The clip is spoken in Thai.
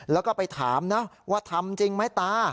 แล้วก็ไปถามนะว่าทำจริงไหมตา